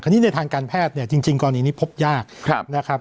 อันนี้ในทางการแพทย์เนี่ยจริงกรณีนี้พบยากนะครับ